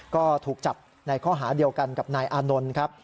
ก็ถูกจับในข้อหาเดียวกันกับนายอานนท์ครับ